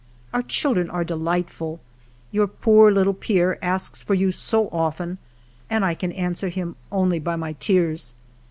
..." Our children are delightful. Your poor little Pierre asks for you so often, and I can answer him only by my tears.